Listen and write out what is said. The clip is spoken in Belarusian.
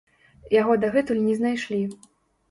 Яго дагэтуль не знайшлі.